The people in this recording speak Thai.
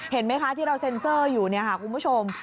เห็นไหมคะที่เราเซ็นเซอร์อยู่เนี่ยค่ะคุณผู้ชม